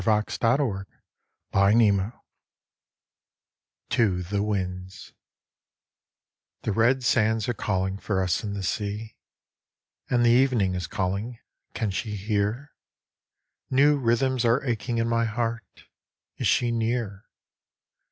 IN THE NET OF THE STARS To the Winds '""THE red sands are calling for us and the sea, A And the evening is calling can she hear ? New rhythms are aching in my heart is she near